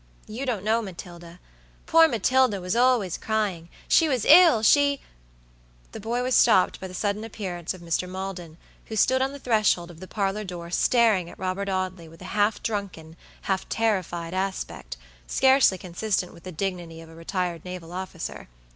You don't know Matilda. Poor Matilda was always crying; she was ill, she" The boy was stopped by the sudden appearance of Mr. Maldon, who stood on the threshold of the parlor door staring at Robert Audley with a half drunken, half terrified aspect, scarcely consistent with the dignity of a retired naval officer.